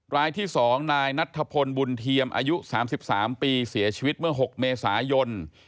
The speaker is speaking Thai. รายที่๒นายนัทธพลบุญเทียมอายุ๓๓ปีเสียชีวิตเมื่อ๖เมษายน